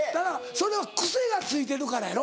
その癖がついてるからやろ？